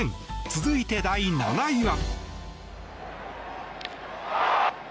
続いて、第７位は。